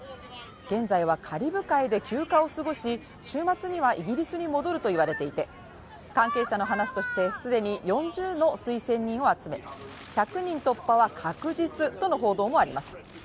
現在はカリブ海で休暇を過ごし週末には、イギリスに戻るといわれていて、関係者の話として既に４０の推薦人を集め、１００人突破は確実との報道もあります。